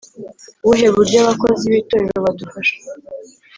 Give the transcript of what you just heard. Buhe buryo abakozi b itorero badufasha